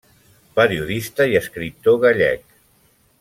Periodista i escriptor gallec.